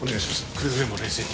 くれぐれも冷静に。